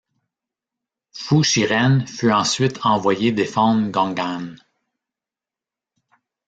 Fu Shiren fut ensuite envoyé défendre Gong’an.